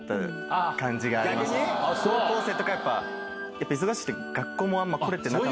高校生とかやっぱ忙しくて。